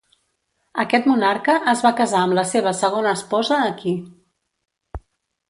Aquest monarca es va casar amb la seva segona esposa aquí.